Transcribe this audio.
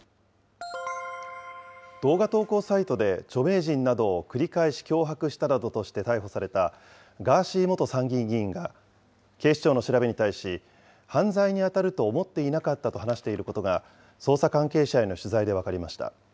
動画投稿サイトで著名人などを繰り返し脅迫したなどとして逮捕されたガーシー元参議院議員が、警視庁の調べに対し、犯罪に当たると思っていなかったと話していることが、捜査関係者への取材で分かりました。